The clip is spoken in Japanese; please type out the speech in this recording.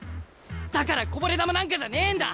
だからこぼれ球なんかじゃねえんだ。